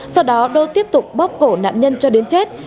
sau đó đô tiếp tục bóp cổ nạn nhân cho đến chết